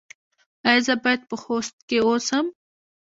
ایا زه باید په خوست کې اوسم؟